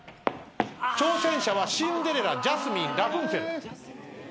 挑戦者は「シンデレラ」「ジャスミン」「ラプンツェル」